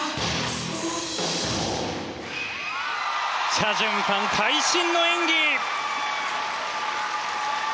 チャ・ジュンファン会心の演技！